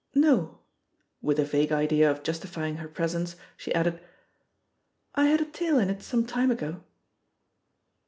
No/' With a vague idea of justifying her presence, she added, ''I had a tale in it some time ago.